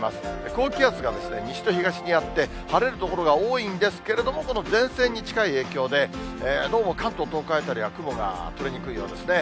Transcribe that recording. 高気圧が西と東にあって、晴れる所が多いんですけれども、この前線に近い影響で、どうも関東、東海辺りは雲が取れにくいようですね。